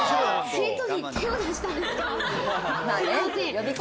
生徒に手を出したんですか？